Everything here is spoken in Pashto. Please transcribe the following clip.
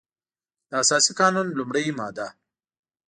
د اساسي قانون لمړۍ ماده